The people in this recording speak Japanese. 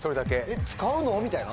「えっ使うの？」みたいな。